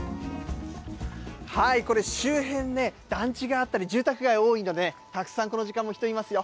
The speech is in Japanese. これ、周辺ね、団地があったり住宅街多いので、たくさんこの時間も人いますよ。